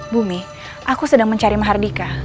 bumi aku sedang mencari mahardika